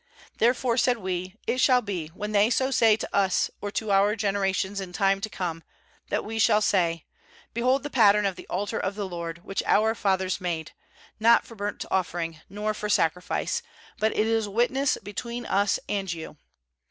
28There fore said we: It shall be, when they so say to us or to our generations in time to come, that we shall say: Behold the pattern of the altar of the LORD, which our fathers made, aot for burnt offering, nor for sacrifice; but it is a witness between us and you.